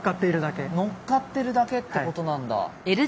のっかってるだけってことなんだ。